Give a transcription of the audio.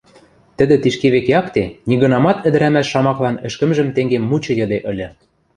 Тӹдӹ тишкевек якте нигынамат ӹдӹрӓмӓш шамаклан ӹшкӹмжӹм тенге мучыйыде ыльы.